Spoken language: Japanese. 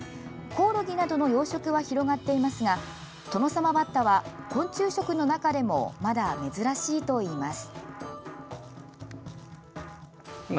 コオロギなどの養殖は広がっていますがトノサマバッタは昆虫食の中でもまだ珍しいといいます。